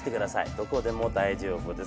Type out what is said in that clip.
どこでも大丈夫です。